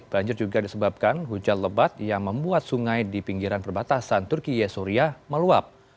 banjir juga disebabkan hujan lebat yang membuat sungai di pinggiran perbatasan turki yesuria meluap